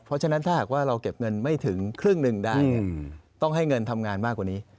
เพราะฉะนั้นถ้าหากว่าเราเก็บเงินไม่ถึงครึ่งหนึ่งได้ต้องให้เงินทำงานมากกว่านี้